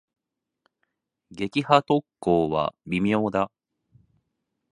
撃破特攻は微妙だ。